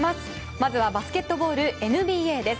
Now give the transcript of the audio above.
まずはバスケットボールＮＢＡです。